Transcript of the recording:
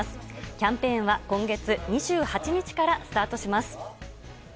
キャンペーンは今月２８日からスタートします。